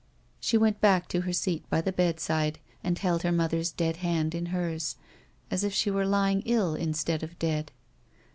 She went back to her seat by the bedside and held her mother's dead hand in hers, as if she were lying ill instead of dead.